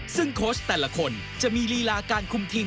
ซึ่งโค้ชแต่ละคนจะมีลีลาการคุมทีม